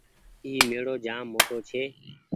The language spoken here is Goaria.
اي ميڙو جآم موٽو ڇي۔